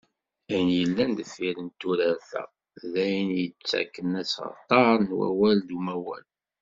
Ayen yellan deffir n turart-a, d ayen i d-yettakken asɣenter n wawal d umawal.